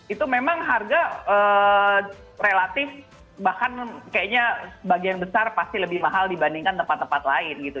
itu memang harga relatif bahkan kayaknya sebagian besar pasti lebih mahal dibandingkan tempat tempat lain gitu